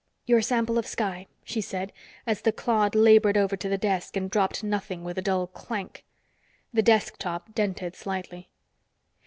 "Your sample of sky," she said as the clod labored over to the desk and dropped nothing with a dull clank. The desk top dented slightly.